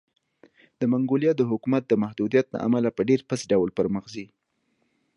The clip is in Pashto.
د منګولیا د حکومت د محدودیت له امله په ډېرپڅ ډول پرمخ ځي.